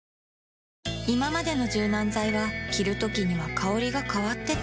いままでの柔軟剤は着るときには香りが変わってた